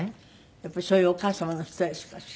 やっぱりそういうお母様のストレスかしら？